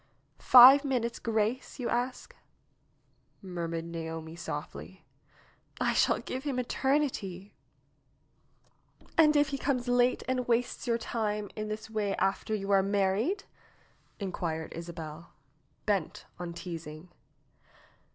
"Five minutes' grace, you ask?" murmured Naomi softly. "I shall give him eternity !" "And if he comes late and wastes your time in this way after you are married?" inquired Isabel, bent on teasing.